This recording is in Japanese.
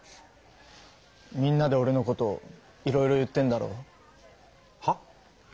みんなでオレのこといろいろ言ってんだろう。はっ？